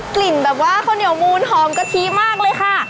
แบบว่าข้าวเหนียวมูลหอมกะทิมากเลยค่ะ